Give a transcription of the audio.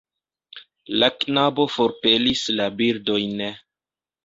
La knabo forpelis la birdojn.